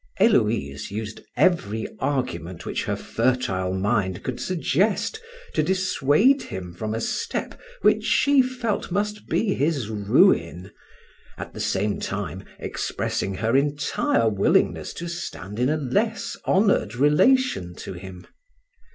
Héloïse used every argument which her fertile mind could suggest to dissuade him from a step which she felt must be his ruin, at the same time expressing her entire willingness to stand in a less honored relation to him.